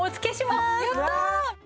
やったー！